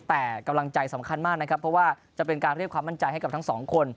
แต่กำลังใจสำคัญมากนะครับเพราะว่าจะเป็นการเรียกความมั่นใจให้กับทั้งสองคน